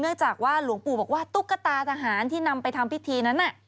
จากว่าหลวงปู่บอกว่าตุ๊กตาทหารที่นำไปทำพิธีนั้นน่ะ